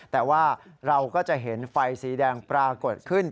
แต่ว่าเราก็จะเห็นไฟสีแดงปรากฏขึ้น